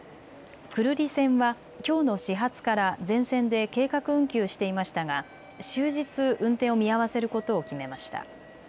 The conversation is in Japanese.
久留里線はきょうの始発から全線で計画運休していましたが終日運転を見合わせることを決めました。